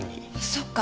そっか。